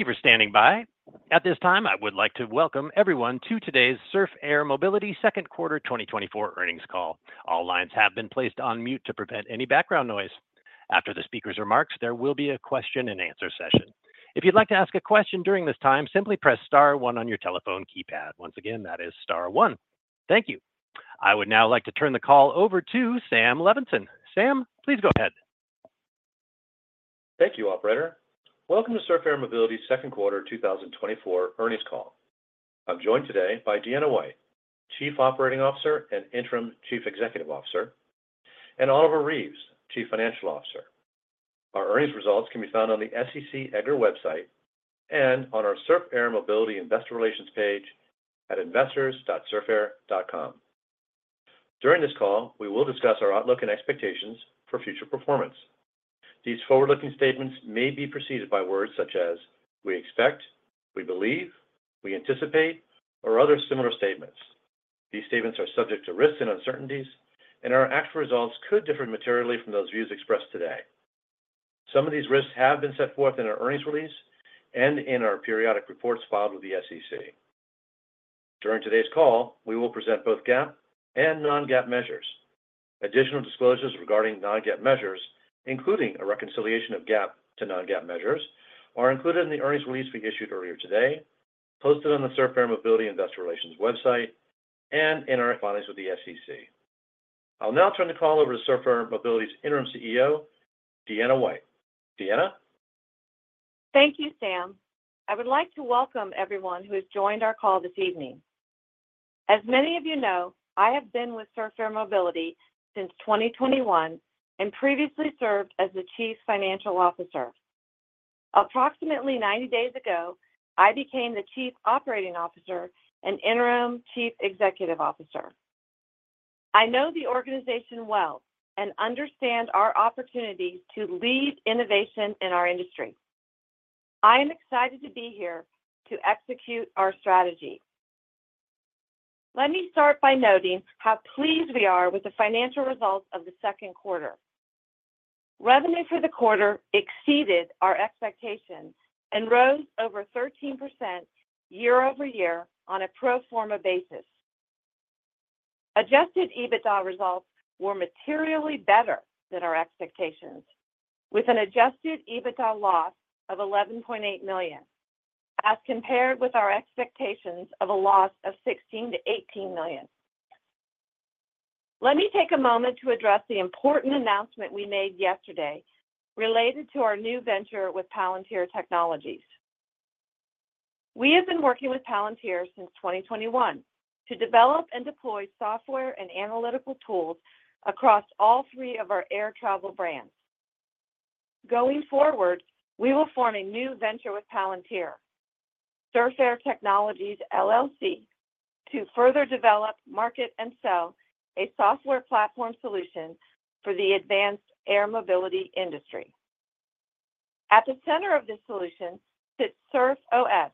Thank you for standing by. At this time, I would like to welcome everyone to today's Surf Air Mobility second quarter 2024 earnings call. All lines have been placed on mute to prevent any background noise. After the speaker's remarks, there will be a question and answer session. If you'd like to ask a question during this time, simply press star one on your telephone keypad. Once again, that is star one. Thank you. I would now like to turn the call over to Sam Levenson. Sam, please go ahead. Thank you, operator. Welcome to Surf Air Mobility's second quarter 2024 earnings call. I'm joined today by Deanna White, Chief Operating Officer and Interim Chief Executive Officer, and Oliver Reeves, Chief Financial Officer. Our earnings results can be found on the SEC EDGAR website and on our Surf Air Mobility investor relations page at investors.surfair.com. During this call, we will discuss our outlook and expectations for future performance. These forward-looking statements may be preceded by words such as "we expect," "we believe," "we anticipate," or other similar statements. These statements are subject to risks and uncertainties, and our actual results could differ materially from those views expressed today. Some of these risks have been set forth in our earnings release and in our periodic reports filed with the SEC. During today's call, we will present both GAAP and non-GAAP measures. Additional disclosures regarding non-GAAP measures, including a reconciliation of GAAP to non-GAAP measures, are included in the earnings release we issued earlier today, posted on the Surf Air Mobility Investor Relations website and in our filings with the SEC. I'll now turn the call over to Surf Air Mobility's Interim CEO, Deanna White. Deanna? Thank you, Sam. I would like to welcome everyone who has joined our call this evening. As many of you know, I have been with Surf Air Mobility since 2021 and previously served as the Chief Financial Officer. Approximately 90 days ago, I became the Chief Operating Officer and Interim Chief Executive Officer. I know the organization well and understand our opportunity to lead innovation in our industry. I am excited to be here to execute our strategy. Let me start by noting how pleased we are with the financial results of the second quarter. Revenue for the quarter exceeded our expectations and rose over 13% year-over-year on a pro forma basis. Adjusted EBITDA results were materially better than our expectations, with an adjusted EBITDA loss of $11.8 million, as compared with our expectations of a loss of $16 million-$18 million. Let me take a moment to address the important announcement we made yesterday related to our new venture with Palantir Technologies. We have been working with Palantir since 2021 to develop and deploy software and analytical tools across all three of our air travel brands. Going forward, we will form a new venture with Palantir, Surf Air Technologies LLC, to further develop market and sell a software platform solution for the advanced air mobility industry. At the center of this solution sits SurfOS,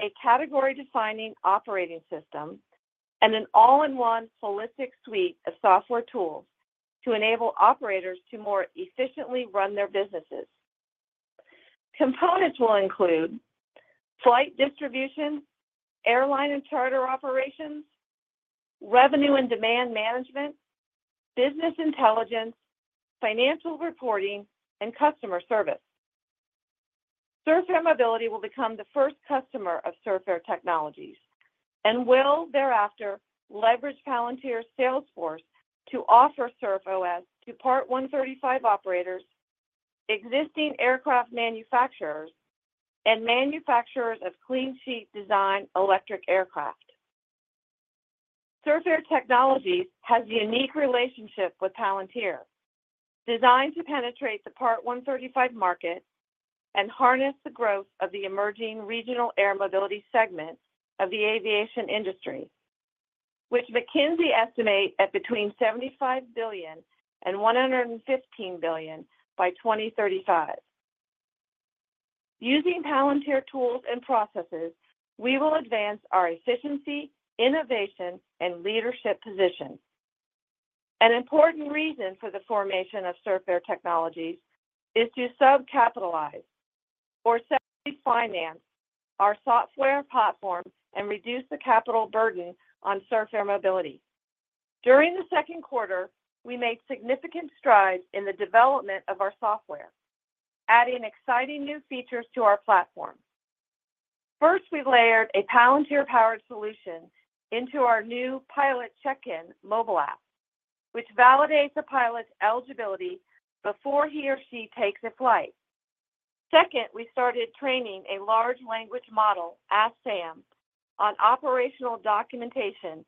a category-defining operating system and an all-in-one holistic suite of software tools to enable operators to more efficiently run their businesses. Components will include: flight distribution, airline and charter operations, revenue and demand management, business intelligence, financial reporting, and customer service. Surf Air Mobility will become the first customer of Surf Air Technologies and will thereafter leverage Palantir's sales force to offer SurfOS to Part 135 operators, existing aircraft manufacturers, and manufacturers of clean-sheet design electric aircraft. Surf Air Technologies has a unique relationship with Palantir, designed to penetrate the Part 135 market and harness the growth of the emerging Regional Air Mobility segment of the aviation industry, which McKinsey estimates at between $75 billion and $115 billion by 2035. Using Palantir tools and processes, we will advance our efficiency, innovation, and leadership position. An important reason for the formation of Surf Air Technologies is to sub-capitalize or secondly finance our software platform and reduce the capital burden on Surf Air Mobility. During the second quarter, we made significant strides in the development of our software, adding exciting new features to our platform. First, we layered a Palantir-powered solution into our new pilot check-in mobile app, which validates a pilot's eligibility before he or she takes a flight. Second, we started training a large language model, Ask Sam, on operational documentation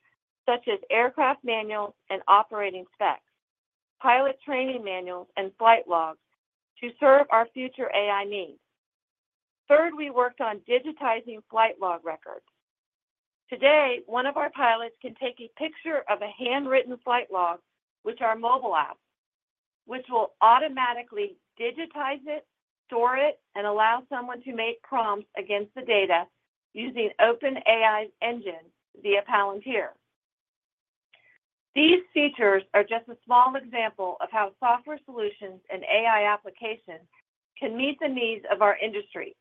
such as aircraft manuals and operating specs, pilot training manuals, and flight logs to serve our future AI needs. Third, we worked on digitizing flight log records. Today, one of our pilots can take a picture of a handwritten flight log with our mobile app, which will automatically digitize it, store it, and allow someone to make prompts against the data using OpenAI engine via Palantir. These features are just a small example of how software solutions and AI applications can meet the needs of our industry,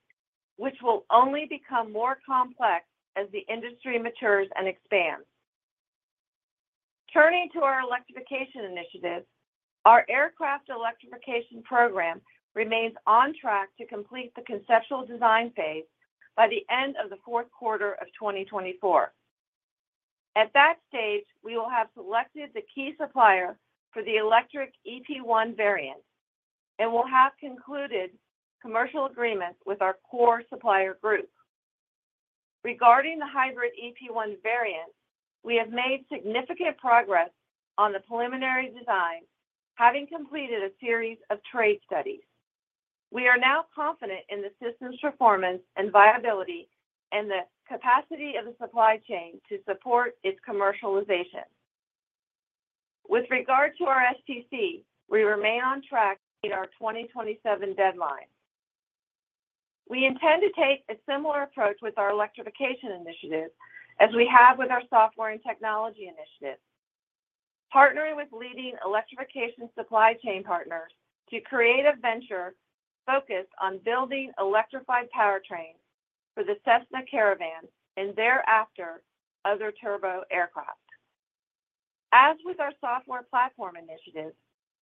which will only become more complex as the industry matures and expands. Turning to our electrification initiatives, our aircraft electrification program remains on track to complete the conceptual design phase by the end of the fourth quarter of 2024. At that stage, we will have selected the key supplier for the electric EP1 variant, and we'll have concluded commercial agreements with our core supplier group. Regarding the hybrid EP1 variant, we have made significant progress on the preliminary design, having completed a series of trade studies. We are now confident in the system's performance and viability, and the capacity of the supply chain to support its commercialization. With regard to our STC, we remain on track to meet our 2027 deadline. We intend to take a similar approach with our electrification initiative as we have with our software and technology initiative. Partnering with leading electrification supply chain partners to create a venture focused on building electrified powertrains for the Cessna Caravan and thereafter, other turbo aircraft. As with our software platform initiative,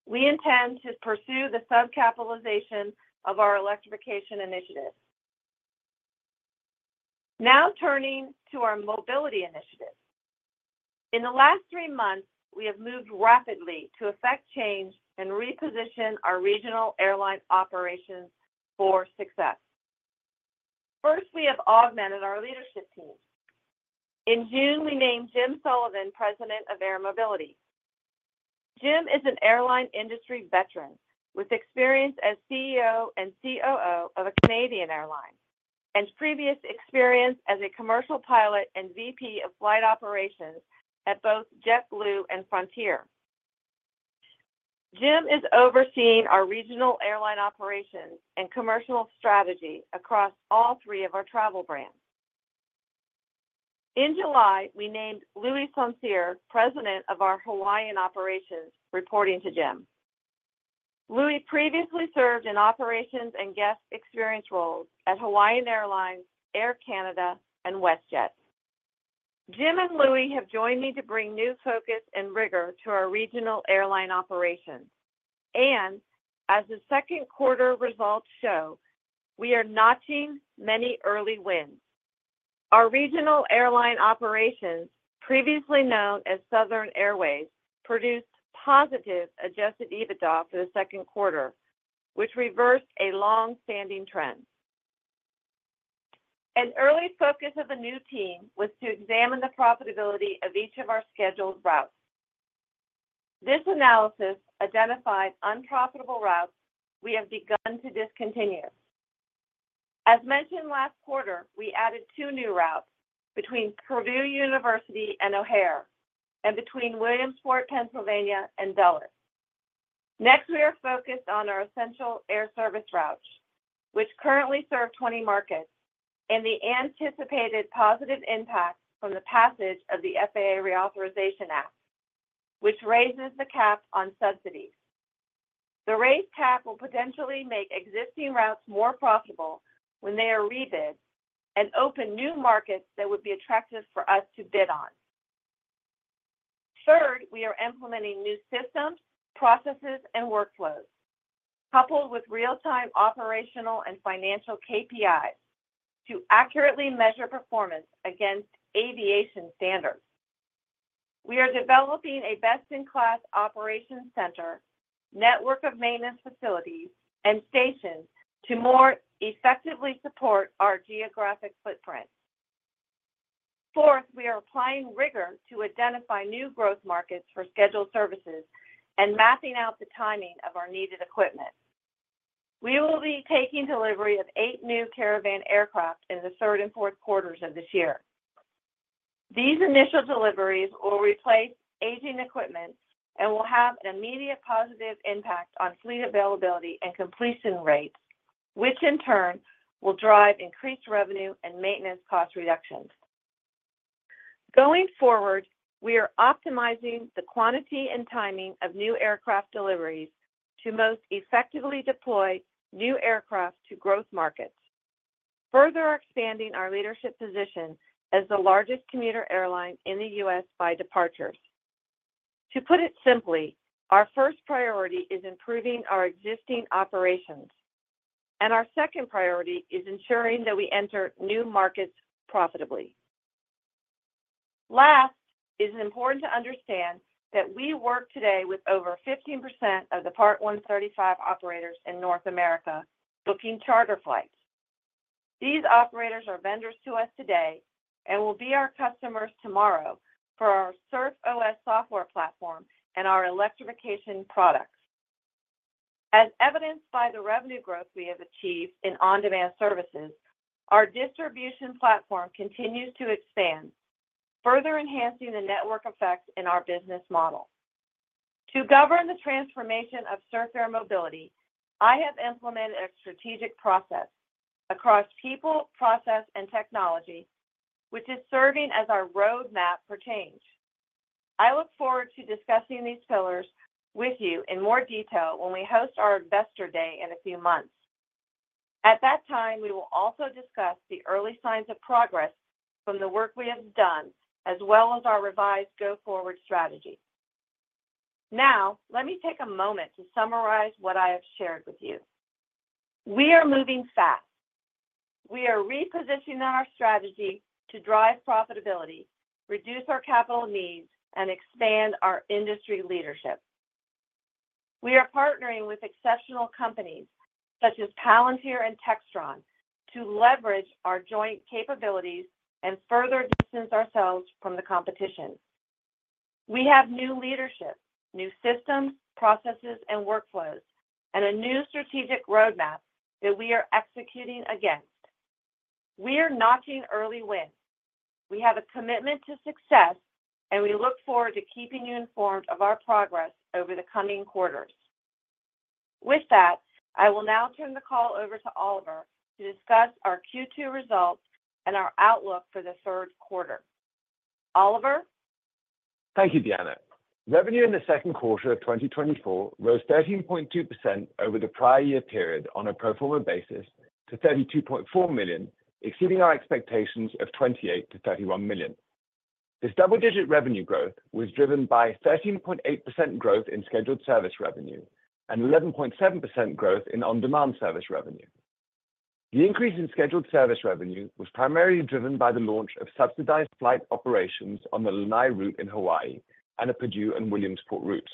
we intend to pursue the sub-capitalization of our electrification initiative. Now, turning to our mobility initiative. In the last three months, we have moved rapidly to effect change and reposition our regional airline operations for success. First, we have augmented our leadership team. In June, we named Jim Sullivan, President of Air Mobility. Jim is an airline industry veteran, with experience as CEO and COO of a Canadian airline, and previous experience as a commercial pilot and VP of flight operations at both JetBlue and Frontier. Jim is overseeing our regional airline operations and commercial strategy across all three of our travel brands. In July, we named Louis Saint-Cyr, President of our Hawaiian operations, reporting to Jim. Louis previously served in operations and guest experience roles at Hawaiian Airlines, Air Canada, and WestJet. Jim and Louis have joined me to bring new focus and rigor to our regional airline operations, and as the second quarter results show, we are notching many early wins. Our regional airline operations, previously known as Southern Airways, produced positive adjusted EBITDA for the second quarter, which reversed a long-standing trend. An early focus of the new team was to examine the profitability of each of our scheduled routes. This analysis identified unprofitable routes we have begun to discontinue. As mentioned last quarter, we added two new routes between Purdue University and O'Hare, and between Williamsport, Pennsylvania and Dulles. Next, we are focused on our Essential Air Service routes, which currently serve 20 markets, and the anticipated positive impact from the passage of the FAA Reauthorization Act, which raises the cap on subsidies. The raised cap will potentially make existing routes more profitable when they are rebid, and open new markets that would be attractive for us to bid on. Third, we are implementing new systems, processes, and workflows, coupled with real-time operational and financial KPIs to accurately measure performance against aviation standards. We are developing a best-in-class operations center, network of maintenance facilities, and stations to more effectively support our geographic footprint. Fourth, we are applying rigor to identify new growth markets for scheduled services and mapping out the timing of our needed equipment. We will be taking delivery of eight new Caravan aircraft in the third and fourth quarters of this year. These initial deliveries will replace aging equipment and will have an immediate positive impact on fleet availability and completion rates, which in turn will drive increased revenue and maintenance cost reductions. Going forward, we are optimizing the quantity and timing of new aircraft deliveries to most effectively deploy new aircraft to growth markets, further expanding our leadership position as the largest commuter airline in the U.S. by departures. To put it simply, our first priority is improving our existing operations, and our second priority is ensuring that we enter new markets profitably. Last, it is important to understand that we work today with over 15% of the Part 135 operators in North America booking charter flights. These operators are vendors to us today and will be our customers tomorrow for our SurfOS software platform and our electrification products. As evidenced by the revenue growth we have achieved in on-demand services, our distribution platform continues to expand, further enhancing the network effect in our business model... To govern the transformation of Surf Air Mobility, I have implemented a strategic process across people, process, and technology, which is serving as our roadmap for change. I look forward to discussing these pillars with you in more detail when we host our Investor Day in a few months. At that time, we will also discuss the early signs of progress from the work we have done, as well as our revised go-forward strategy. Now, let me take a moment to summarize what I have shared with you. We are moving fast. We are repositioning our strategy to drive profitability, reduce our capital needs, and expand our industry leadership. We are partnering with exceptional companies, such as Palantir and Textron, to leverage our joint capabilities and further distance ourselves from the competition. We have new leadership, new systems, processes and workflows, and a new strategic roadmap that we are executing against. We are notching early wins. We have a commitment to success, and we look forward to keeping you informed of our progress over the coming quarters. With that, I will now turn the call over to Oliver to discuss our Q2 results and our outlook for the third quarter. Oliver? Thank you, Deanna. Revenue in the second quarter of 2024 rose 13.2% over the prior year period on a pro forma basis to $32.4 million, exceeding our expectations of $28 million-$31 million. This double-digit revenue growth was driven by 13.8% growth in scheduled service revenue and 11.7% growth in on-demand service revenue. The increase in scheduled service revenue was primarily driven by the launch of subsidized flight operations on the Lanai route in Hawaii and the Purdue and Williamsport routes.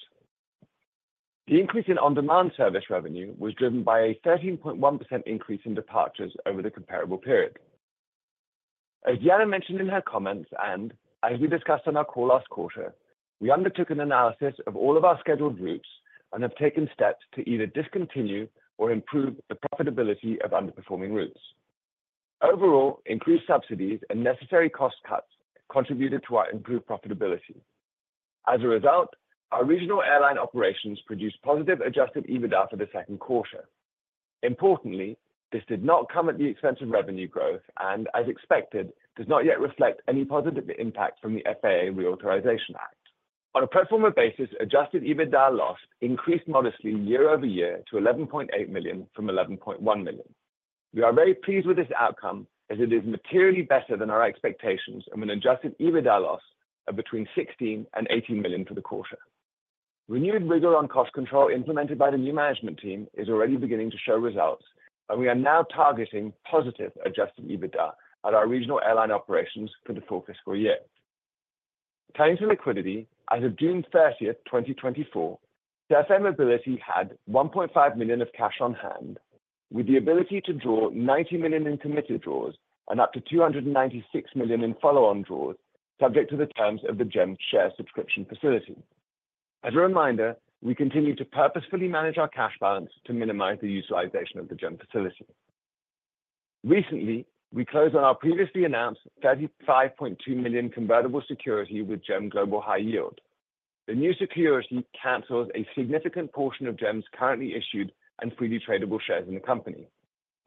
The increase in on-demand service revenue was driven by a 13.1% increase in departures over the comparable period. As Deanna mentioned in her comments, and as we discussed on our call last quarter, we undertook an analysis of all of our scheduled routes and have taken steps to either discontinue or improve the profitability of underperforming routes. Overall, increased subsidies and necessary cost cuts contributed to our improved profitability. As a result, our regional airline operations produced positive Adjusted EBITDA for the second quarter. Importantly, this did not come at the expense of revenue growth and, as expected, does not yet reflect any positive impact from the FAA Reauthorization Act. On a pro forma basis, Adjusted EBITDA loss increased modestly year-over-year to $11.8 million from $11.1 million. We are very pleased with this outcome as it is materially better than our expectations and an adjusted EBITDA loss of between $16 million and $18 million for the quarter. Renewed rigor on cost control implemented by the new management team is already beginning to show results, and we are now targeting positive adjusted EBITDA at our regional airline operations for the full fiscal year. Turning to liquidity, as of June 30th, 2024, Surf Air Mobility had $1.5 million of cash on hand, with the ability to draw $90 million in committed draws and up to $296 million in follow-on draws, subject to the terms of the GEM share subscription facility. As a reminder, we continue to purposefully manage our cash balance to minimize the utilization of the GEM facility. Recently, we closed on our previously announced $35.2 million convertible security with GEM Global Yield. The new security cancels a significant portion of GEM's currently issued and freely tradable shares in the company.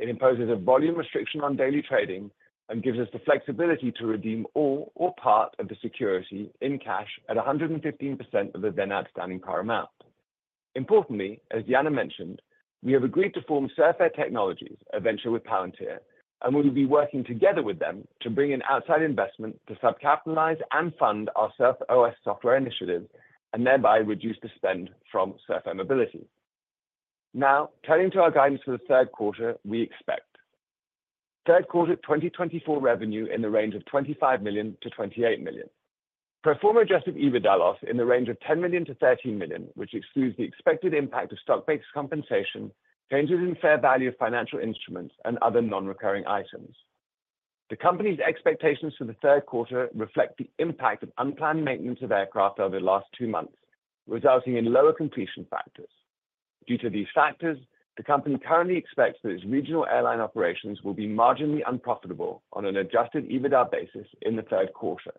It imposes a volume restriction on daily trading and gives us the flexibility to redeem all or part of the security in cash at 115% of the then outstanding par amount. Importantly, as Deanna mentioned, we have agreed to form Surf Air Technologies, a venture with Palantir, and we will be working together with them to bring in outside investment to sub-capitalize and fund our SurfOS software initiative and thereby reduce the spend from Surf Air Mobility. Now, turning to our guidance for the third quarter, we expect third quarter 2024 revenue in the range of $25 million-$28 million. Pro forma adjusted EBITDA loss in the range of $10 million-$13 million, which excludes the expected impact of stock-based compensation, changes in fair value of financial instruments, and other non-recurring items. The company's expectations for the third quarter reflect the impact of unplanned maintenance of aircraft over the last two months, resulting in lower completion factors. Due to these factors, the company currently expects that its regional airline operations will be marginally unprofitable on an Adjusted EBITDA basis in the third quarter.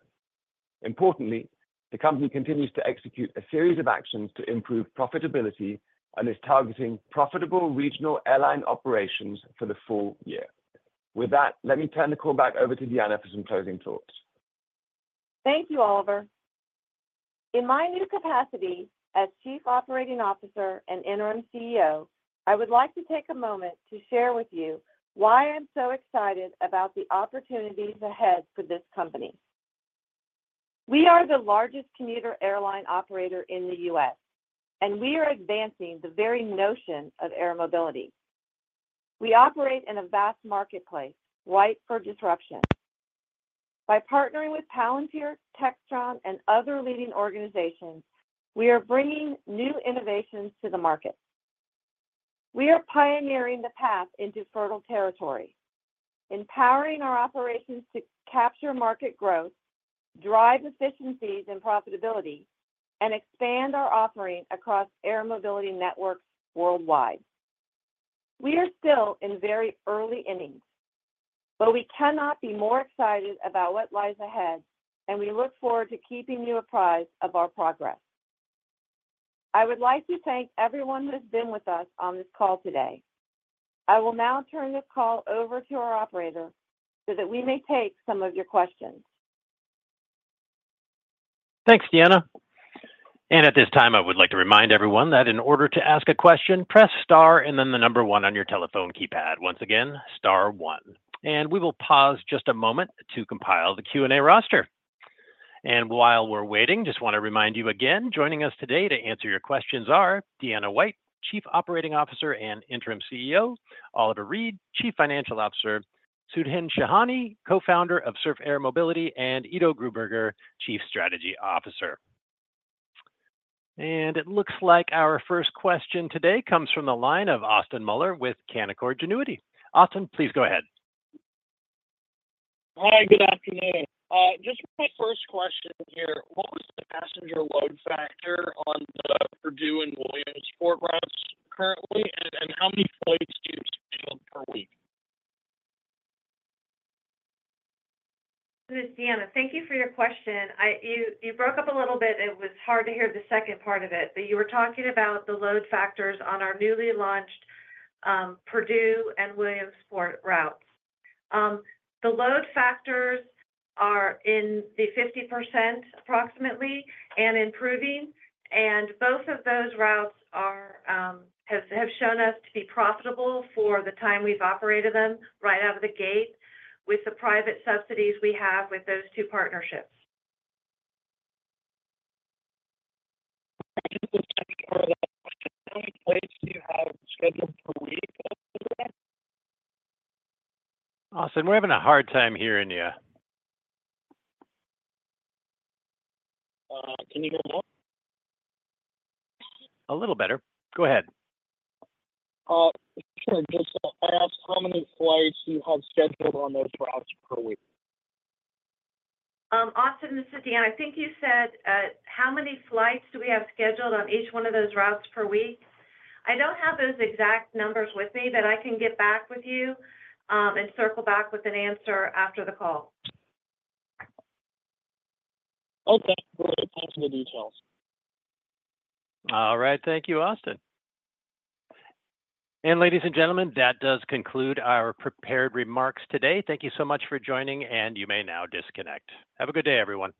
Importantly, the company continues to execute a series of actions to improve profitability and is targeting profitable regional airline operations for the full year. With that, let me turn the call back over to Deanna for some closing thoughts. Thank you, Oliver. In my new capacity as Chief Operating Officer and Interim CEO, I would like to take a moment to share with you why I'm so excited about the opportunities ahead for this company. We are the largest commuter airline operator in the U.S., and we are advancing the very notion of air mobility. We operate in a vast marketplace, ripe for disruption. By partnering with Palantir, Textron, and other leading organizations, we are bringing new innovations to the market. We are pioneering the path into fertile territory, empowering our operations to capture market growth, drive efficiencies and profitability, and expand our offerings across air mobility networks worldwide. We are still in very early innings, but we cannot be more excited about what lies ahead, and we look forward to keeping you apprised of our progress. I would like to thank everyone who has been with us on this call today. I will now turn this call over to our operator so that we may take some of your questions. Thanks, Deanna. At this time, I would like to remind everyone that in order to ask a question, press star and then the number one on your telephone keypad. Once again, star one. We will pause just a moment to compile the Q&A roster. While we're waiting, just wanna remind you again, joining us today to answer your questions are Deanna White, Chief Operating Officer and Interim CEO, Oliver Reeves, Chief Financial Officer, Sudhin Shahani, Co-founder of Surf Air Mobility, and Ido Gruberger, Chief Strategy Officer. It looks like our first question today comes from the line of Austin Moeller with Canaccord Genuity. Austin, please go ahead. Hi, good afternoon. Just my first question here, what was the passenger load factor on the Purdue and Williamsport routes currently? And how many flights do you schedule per week? This is Deanna. Thank you for your question. You broke up a little bit, and it was hard to hear the second part of it, but you were talking about the load factors on our newly launched Purdue and Williamsport routes. The load factors are in the 50%, approximately, and improving, and both of those routes have shown us to be profitable for the time we've operated them right out of the gate with the private subsidies we have with those two partnerships. How many flights do you have scheduled per week after that? Austin, we're having a hard time hearing you. Can you hear me now? A little better. Go ahead. Sure. Just to ask how many flights you have scheduled on those routes per week? Austin, this is Deanna. I think you said, how many flights do we have scheduled on each one of those routes per week? I don't have those exact numbers with me, but I can get back with you, and circle back with an answer after the call. Okay. Great, thanks for the details. All right. Thank you, Austin. Ladies and gentlemen, that does conclude our prepared remarks today. Thank you so much for joining, and you may now disconnect. Have a good day, everyone.